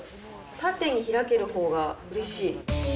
縦に開けるほうがうれしい。